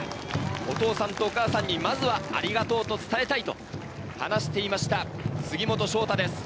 お父さんとお母さんに、まずは、ありがとうと伝えたいと話していました、杉本将太です。